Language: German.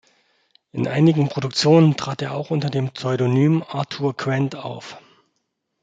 In einigen Produktionen trat er auch unter dem Pseudonym "Arthur Grant" auf.